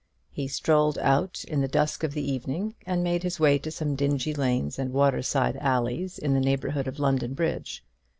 He strolled out in the dusk of the evening, and made his way to some dingy lanes and waterside alleys in the neighbourhood of London Bridge.